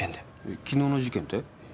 え昨日の事件て？